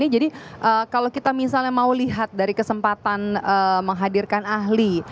jadi kalau kita misalnya mau lihat dari kesempatan menghadirkan ahli